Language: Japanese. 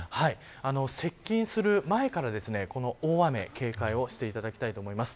接近する前から大雨に警戒をしていただきたいと思います。